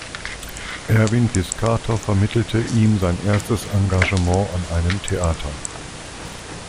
Erwin Piscator vermittelte ihm sein erstes Engagement an einem Theater.